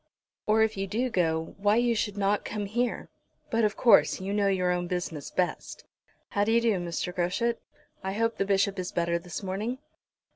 "Or, if you do go, why you should not come here. But, of course, you know your own business best. How d'ye do, Mr. Groschut? I hope the Bishop is better this morning."